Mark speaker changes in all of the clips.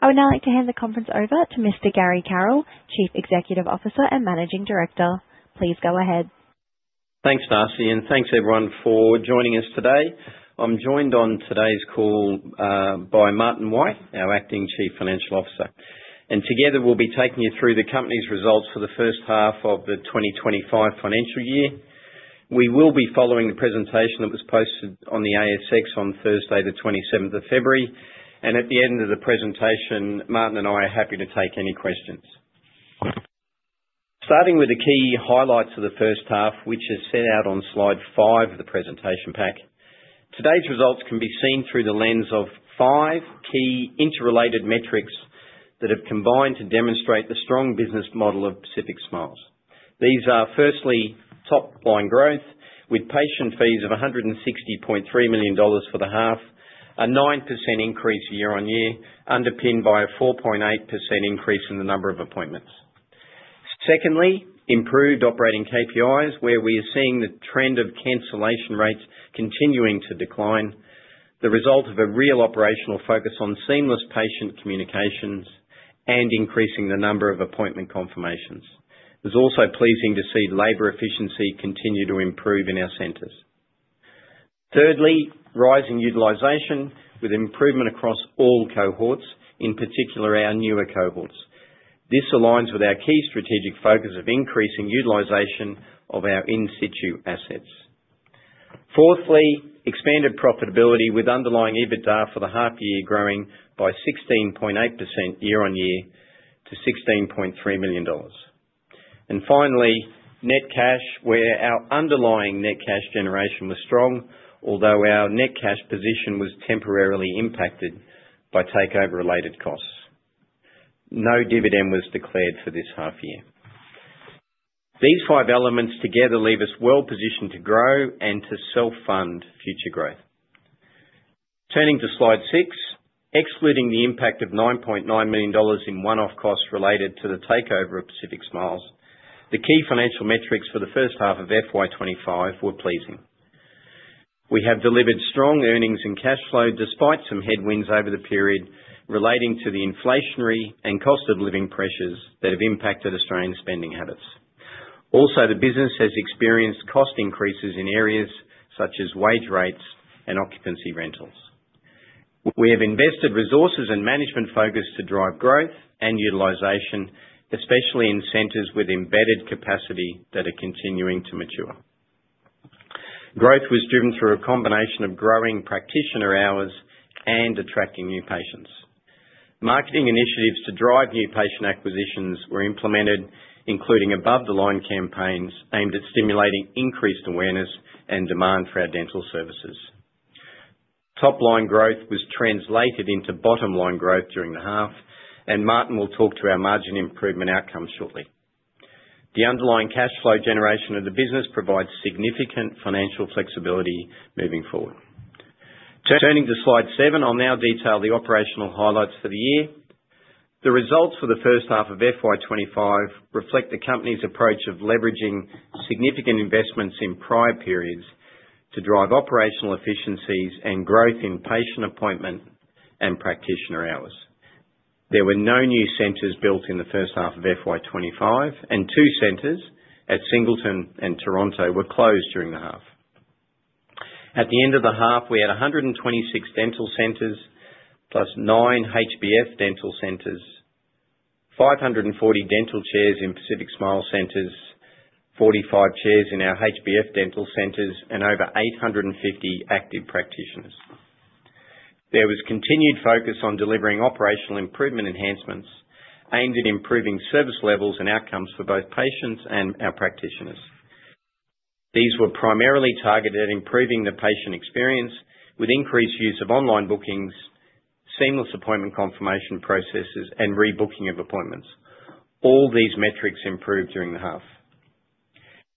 Speaker 1: I would now like to hand the conference over to Mr. Gary Carroll, Chief Executive Officer and Managing Director. Please go ahead.
Speaker 2: Thanks, Darcy, and thanks, everyone, for joining us today. I'm joined on today's call by Martin White, our Acting Chief Financial Officer. Together, we'll be taking you through the company's results for the first half of the 2025 financial year. We will be following the presentation that was posted on the ASX on Thursday, the 27th of February. At the end of the presentation, Martin and I are happy to take any questions. Starting with the key highlights of the first half, which is set out on slide five of the presentation pack, today's results can be seen through the lens of five key interrelated metrics that have combined to demonstrate the strong business model of Pacific Smiles. These are, firstly, top-line growth with patient fees of 160.3 million dollars for the half, a 9% increase year-on-year, underpinned by a 4.8% increase in the number of appointments. Secondly, improved operating KPIs, where we are seeing the trend of cancellation rates continuing to decline, the result of a real operational focus on seamless patient communications and increasing the number of appointment confirmations. It is also pleasing to see labor efficiency continue to improve in our centers. Thirdly, rising utilization with improvement across all cohorts, in particular our newer cohorts. This aligns with our key strategic focus of increasing utilization of our in-situ assets. Fourthly, expanded profitability with underlying EBITDA for the half-year growing by 16.8% year-on-year to 16.3 million dollars. Finally, net cash, where our underlying net cash generation was strong, although our net cash position was temporarily impacted by takeover-related costs. No dividend was declared for this half-year. These five elements together leave us well-positioned to grow and to self-fund future growth. Turning to slide six, excluding the impact of 9.9 million dollars in one-off costs related to the takeover of Pacific Smiles, the key financial metrics for the first half of FY 2025 were pleasing. We have delivered strong earnings and cash flow despite some headwinds over the period relating to the inflationary and cost-of-living pressures that have impacted Australian spending habits. Also, the business has experienced cost increases in areas such as wage rates and occupancy rentals. We have invested resources and management focus to drive growth and utilization, especially in centers with embedded capacity that are continuing to mature. Growth was driven through a combination of growing practitioner hours and attracting new patients. Marketing initiatives to drive new patient acquisitions were implemented, including above-the-line campaigns aimed at stimulating increased awareness and demand for our dental services. Top-line growth was translated into bottom-line growth during the half, and Martin will talk to our margin improvement outcomes shortly. The underlying cash flow generation of the business provides significant financial flexibility moving forward. Turning to slide seven, I will now detail the operational highlights for the year. The results for the first half of FY 2025 reflect the company's approach of leveraging significant investments in prior periods to drive operational efficiencies and growth in patient appointment and practitioner hours. There were no new centers built in the first half of FY 2025, and two centers at Singleton and Toronto were closed during the half. At the end of the half, we had 126 dental centers plus nine HBF dental centers, 540 dental chairs in Pacific Smiles centers, 45 chairs in our HBF dental centers, and over 850 active practitioners. There was continued focus on delivering operational improvement enhancements aimed at improving service levels and outcomes for both patients and our practitioners. These were primarily targeted at improving the patient experience with increased use of online bookings, seamless appointment confirmation processes, and rebooking of appointments. All these metrics improved during the half.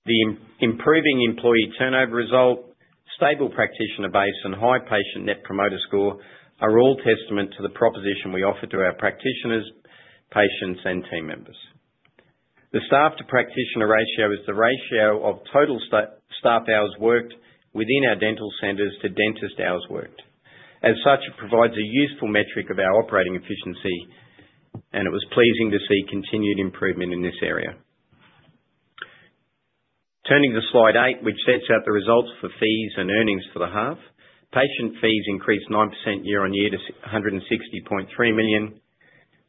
Speaker 2: The improving employee turnover result, stable practitioner base, and high patient Net Promoter Score are all testament to the proposition we offer to our practitioners, patients, and team members. The staff-to-practitioner ratio is the ratio of total staff hours worked within our dental centers to dentist hours worked. As such, it provides a useful metric of our operating efficiency, and it was pleasing to see continued improvement in this area. Turning to slide eight, which sets out the results for fees and earnings for the half, patient fees increased 9% year-on-year to 160.3 million,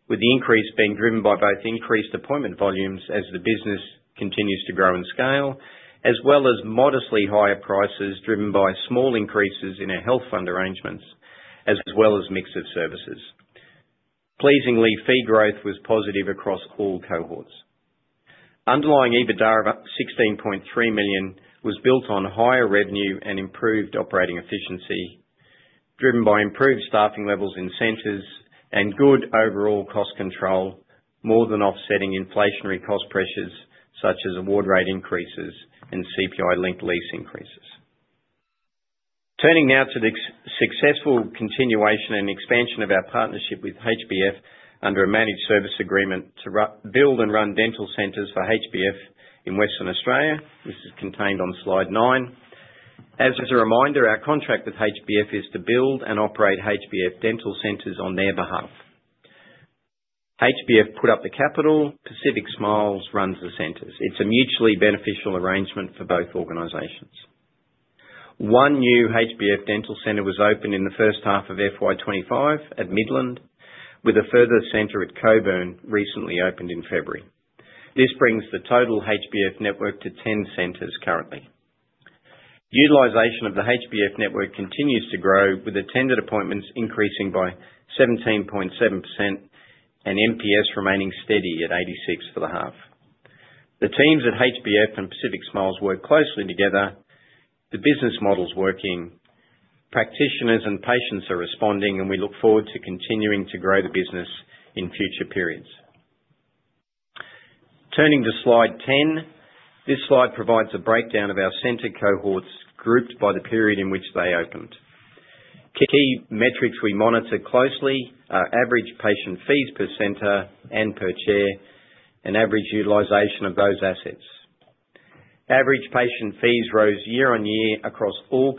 Speaker 2: with the increase being driven by both increased appointment volumes as the business continues to grow in scale, as well as modestly higher prices driven by small increases in our health fund arrangements, as well as mix of services. Pleasingly, fee growth was positive across all cohorts. Underlying EBITDA of 16.3 million was built on higher revenue and improved operating efficiency driven by improved staffing levels in centers and good overall cost control, more than offsetting inflationary cost pressures such as award rate increases and CPI-linked lease increases. Turning now to the successful continuation and expansion of our partnership with HBF under a managed service agreement to build and run dental centers for HBF in Western Australia. This is contained on slide nine. As a reminder, our contract with HBF is to build and operate HBF dental centers on their behalf. HBF put up the capital. Pacific Smiles runs the centers. It's a mutually beneficial arrangement for both organizations. One new HBF dental center was opened in the first half of FY 2025 at Midland, with a further center at Cockburn recently opened in February. This brings the total HBF network to 10 centers currently. Utilization of the HBF network continues to grow, with attended appointments increasing by 17.7% and NPS remaining steady at 86 for the half. The teams at HBF and Pacific Smiles work closely together. The business model's working. Practitioners and patients are responding, and we look forward to continuing to grow the business in future periods. Turning to slide ten, this slide provides a breakdown of our center cohorts grouped by the period in which they opened. Key metrics we monitor closely are average patient fees per center and per chair and average utilization of those assets. Average patient fees rose year-on-year across all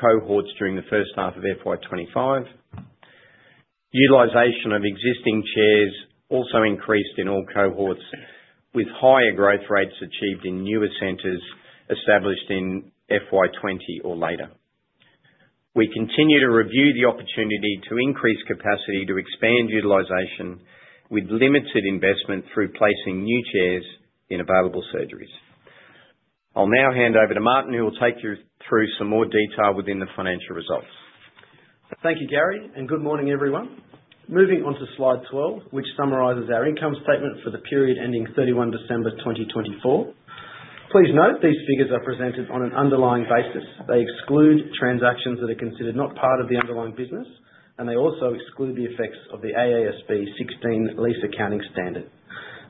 Speaker 2: cohorts during the first half of FY 2025. Utilization of existing chairs also increased in all cohorts, with higher growth rates achieved in newer centers established in FY 2020 or later. We continue to review the opportunity to increase capacity to expand utilization with limited investment through placing new chairs in available surgeries. I'll now hand over to Martin, who will take you through some more detail within the financial results.
Speaker 3: Thank you, Gary, and good morning, everyone. Moving on to slide 12, which summarizes our income statement for the period ending 31 December 2024. Please note these figures are presented on an underlying basis. They exclude transactions that are considered not part of the underlying business, and they also exclude the effects of the AASB 16 lease accounting standard.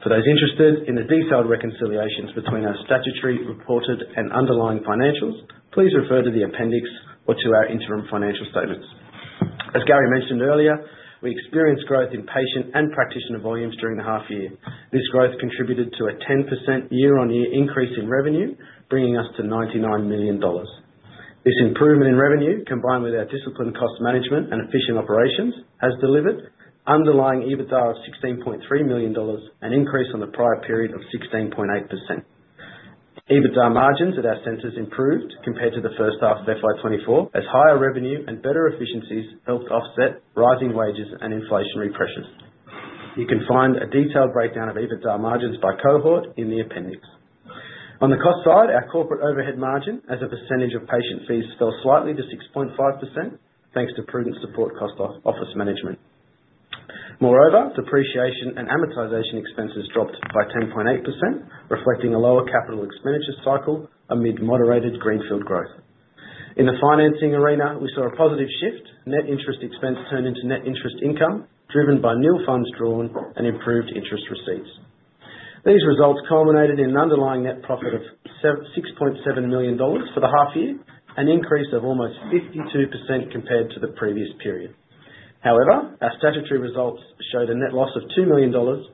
Speaker 3: For those interested in the detailed reconciliations between our statutory reported and underlying financials, please refer to the appendix or to our interim financial statements. As Gary mentioned earlier, we experienced growth in patient and practitioner volumes during the half-year. This growth contributed to a 10% year-on-year increase in revenue, bringing us to 99 million dollars. This improvement in revenue, combined with our disciplined cost management and efficient operations, has delivered underlying EBITDA of 16.3 million dollars and an increase on the prior period of 16.8%. EBITDA margins at our centers improved compared to the first half of FY 2024, as higher revenue and better efficiencies helped offset rising wages and inflationary pressures. You can find a detailed breakdown of EBITDA margins by cohort in the appendix. On the cost side, our corporate overhead margin as a percentage of patient fees fell slightly to 6.5%, thanks to prudent support cost office management. Moreover, depreciation and amortization expenses dropped by 10.8%, reflecting a lower capital expenditure cycle amid moderated greenfield growth. In the financing arena, we saw a positive shift. Net interest expense turned into net interest income, driven by new funds drawn and improved interest receipts. These results culminated in an underlying net profit of 6.7 million dollars for the half-year, an increase of almost 52% compared to the previous period. However, our statutory results showed a net loss of 2 million dollars.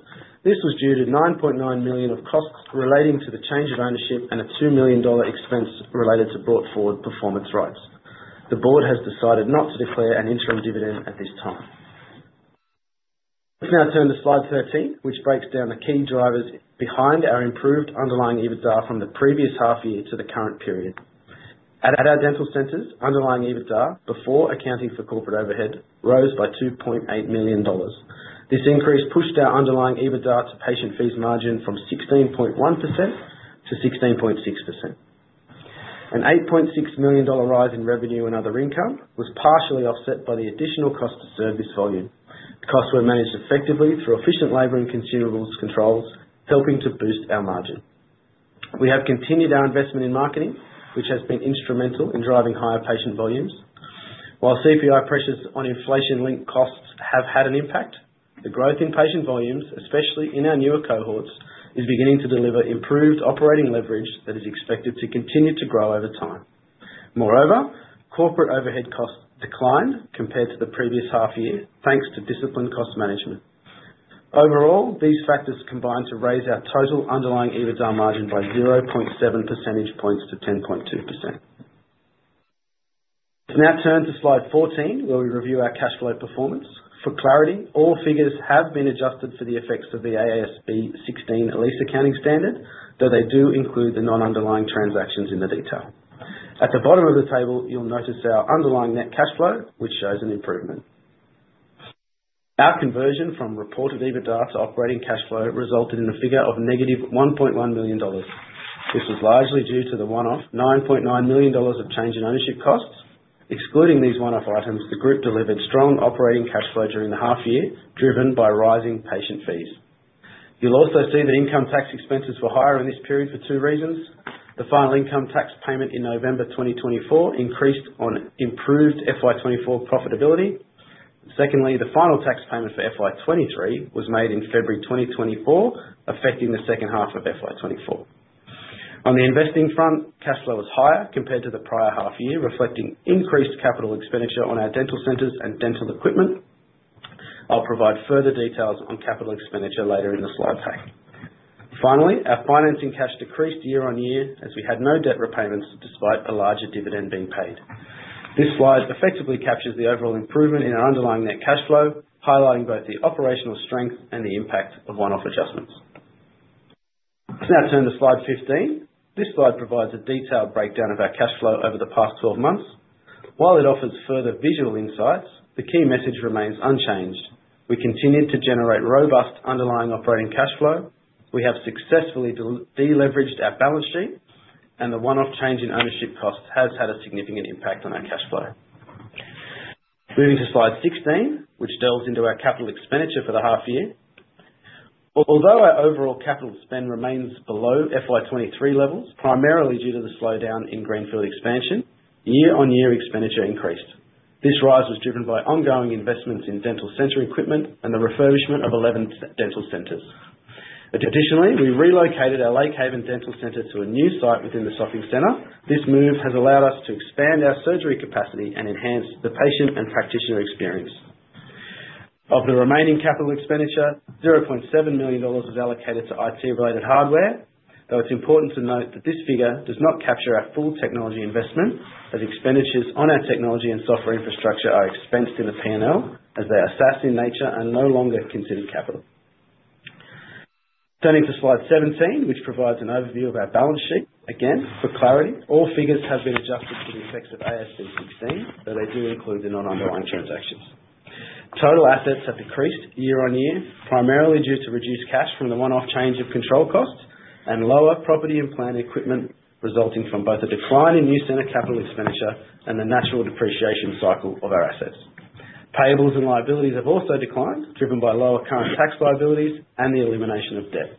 Speaker 3: This was due to 9.9 million of costs relating to the change of ownership and a 2 million dollar expense related to brought-forward performance rights. The board has decided not to declare an interim dividend at this time. Let's now turn to slide 13, which breaks down the key drivers behind our improved underlying EBITDA from the previous half-year to the current period. At our dental centers, underlying EBITDA, before accounting for corporate overhead, rose by 2.8 million dollars. This increase pushed our underlying EBITDA to patient fees margin from 16.1% to 16.6%. An 8.6 million dollar rise in revenue and other income was partially offset by the additional cost-to-service volume. Costs were managed effectively through efficient labor and consumables controls, helping to boost our margin. We have continued our investment in marketing, which has been instrumental in driving higher patient volumes. While CPI pressures on inflation-linked costs have had an impact, the growth in patient volumes, especially in our newer cohorts, is beginning to deliver improved operating leverage that is expected to continue to grow over time. Moreover, corporate overhead costs declined compared to the previous half-year, thanks to disciplined cost management. Overall, these factors combined to raise our total underlying EBITDA margin by 0.7 percentage points to 10.2%. Let's now turn to slide 14, where we review our cash flow performance. For clarity, all figures have been adjusted for the effects of the AASB 16 lease accounting standard, though they do include the non-underlying transactions in the detail. At the bottom of the table, you'll notice our underlying net cash flow, which shows an improvement. Our conversion from reported EBITDA to operating cash flow resulted in a figure of negative 1.1 million dollars. This was largely due to the one-off 9.9 million dollars of change in ownership costs. Excluding these one-off items, the group delivered strong operating cash flow during the half-year, driven by rising patient fees. You'll also see that income tax expenses were higher in this period for two reasons. The final income tax payment in November 2024 increased on improved FY 2024 profitability. Secondly, the final tax payment for FY 2023 was made in February 2024, affecting the second half of FY 2024. On the investing front, cash flow was higher compared to the prior half-year, reflecting increased capital expenditure on our dental centers and dental equipment. I'll provide further details on capital expenditure later in the slide pack. Finally, our financing cash decreased year-on-year as we had no debt repayments despite a larger dividend being paid. This slide effectively captures the overall improvement in our underlying net cash flow, highlighting both the operational strength and the impact of one-off adjustments. Let's now turn to slide 15. This slide provides a detailed breakdown of our cash flow over the past 12 months. While it offers further visual insights, the key message remains unchanged. We continued to generate robust underlying operating cash flow. We have successfully deleveraged our balance sheet, and the one-off change in ownership costs has had a significant impact on our cash flow. Moving to slide 16, which delves into our capital expenditure for the half-year. Although our overall capital spend remains below FY 2023 levels, primarily due to the slowdown in greenfield expansion, year-on-year expenditure increased. This rise was driven by ongoing investments in dental center equipment and the refurbishment of 11 dental centers. Additionally, we relocated our Lake Haven dental center to a new site within the shopping center. This move has allowed us to expand our surgery capacity and enhance the patient and practitioner experience. Of the remaining capital expenditure, 0.7 million dollars was allocated to IT-related hardware, though it's important to note that this figure does not capture our full technology investment, as expenditures on our technology and software infrastructure are expensed in the P&L, as they are SaaS in nature and no longer considered capital. Turning to slide 17, which provides an overview of our balance sheet. Again, for clarity, all figures have been adjusted to the effects of AASB 16, though they do include the non-underlying transactions. Total assets have decreased year-on-year, primarily due to reduced cash from the one-off change of control costs and lower property and plant equipment resulting from both a decline in new center capital expenditure and the natural depreciation cycle of our assets. Payables and liabilities have also declined, driven by lower current tax liabilities and the elimination of debt.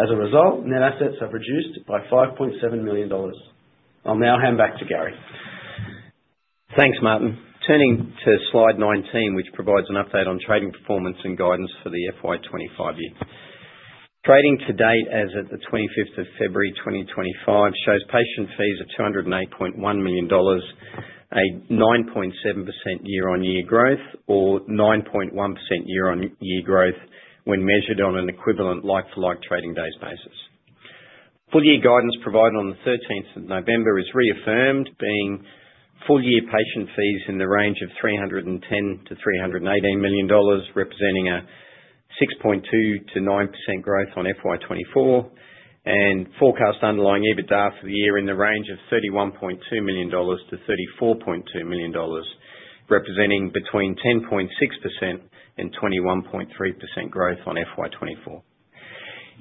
Speaker 3: As a result, net assets have reduced by 5.7 million dollars. I'll now hand back to Gary.
Speaker 2: Thanks, Martin. Turning to slide 19, which provides an update on trading performance and guidance for the FY 2025 year. Trading to date as of the 25th of February 2025 shows patient fees of 208.1 million dollars, a 9.7% year-on-year growth or 9.1% year-on-year growth when measured on an equivalent like-for-like trading days basis. Full-year guidance provided on the 13th of November is reaffirmed, being full-year patient fees in the range of 310-318 million dollars, representing a 6.2%-9% growth on FY 2024, and forecast underlying EBITDA for the year in the range of AUD 31.2 million-AUD 34.2 million, representing between 10.6% and 21.3% growth on FY 2024.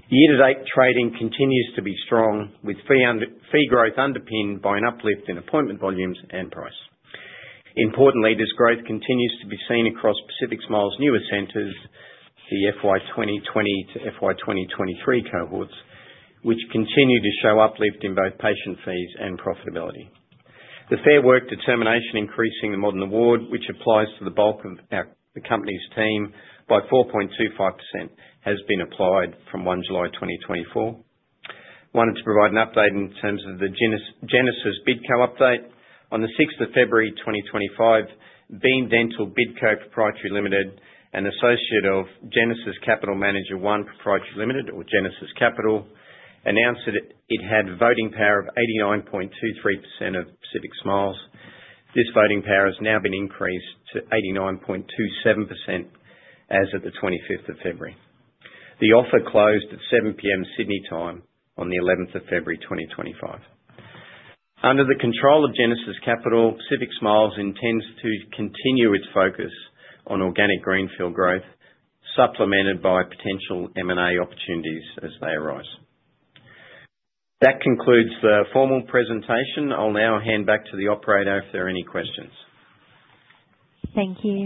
Speaker 2: Year-to-date trading continues to be strong, with fee growth underpinned by an uplift in appointment volumes and price. Importantly, this growth continues to be seen across Pacific Smiles' newer centers, the FY 2020 to FY 2023 cohorts, which continue to show uplift in both patient fees and profitability. The Fair Work determination increasing the modern award, which applies to the bulk of the company's team by 4.25%, has been applied from 1 July 2024. I wanted to provide an update in terms of the Genesis Bidco update. On the 6th of February 2025, Beam Dental Bidco Pty Ltd, an associate of Genesis Capital, announced that it had voting power of 89.23% of Pacific Smiles. This voting power has now been increased to 89.27% as of the 25th of February. The offer closed at 7:00 P.M. Sydney time on the 11th of February 2025. Under the control of Genesis Capital, Pacific Smiles intends to continue its focus on organic greenfield growth, supplemented by potential M&A opportunities as they arise. That concludes the formal presentation. I'll now hand back to the operator if there are any questions.
Speaker 4: Thank you.